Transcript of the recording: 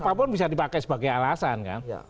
apapun bisa dipakai sebagai alasan kan